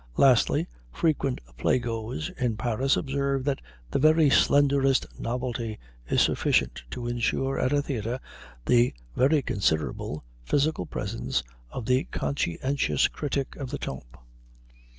Lastly, frequent play goers in Paris observe that the very slenderest novelty is sufficient to insure at a theater the (very considerable) physical presence of the conscientious critic of the "Temps."